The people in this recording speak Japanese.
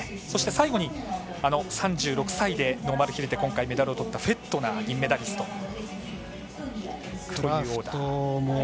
そして、最後に３６歳でノーマルヒルで今回メダルをとったフェットナー銀メダリスト。